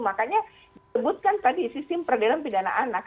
makanya disebutkan tadi sistem peradilan pidana anak